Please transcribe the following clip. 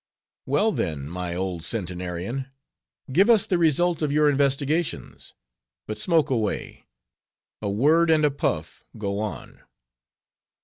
"Well, then, my old centenarian, give us the result of your investigations. But smoke away: a word and a puff go on."